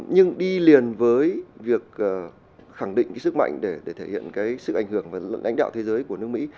nhưng đi liền với việc khẳng định sức mạnh để thể hiện sức ảnh hưởng và lượng đánh đạo thế giới của nước mỹ